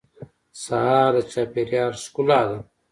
سهار د چاپېریال ښکلا ده.